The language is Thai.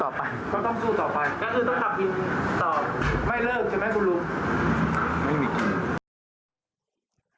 ไม่มีทาง